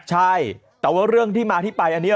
ใช่แต่ว่าเรื่องที่มาที่ไปอันนี้